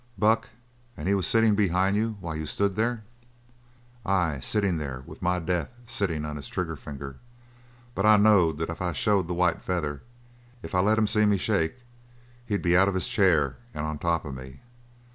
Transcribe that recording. "Buck! And he was sitting behind you while you stood there?" "Ay, sitting there with my death sittin' on his trigger finger. But I knowed that if I showed the white feather, if I let him see me shake, he'd be out of his chair and on top of me.